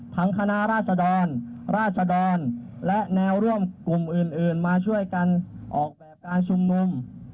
คณะราชดรราชดรและแนวร่วมกลุ่มอื่นมาช่วยกันออกแบบการชุมนุม